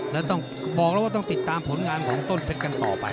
แล้วต้องบอกแล้วว่าต้องติดตามผลงานของต้นเพชรกันต่อไป